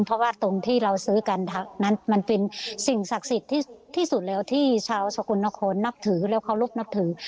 เพราะว่าตรงที่เราซื้อกันนั้นมันเป็นสิ่งศักดิ์สิทธิ์ที่สุดแล้วที่ชาวสกลนครนับถือแล้วเคารพนับถือ